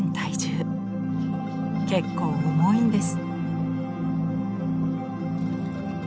結構重いんです。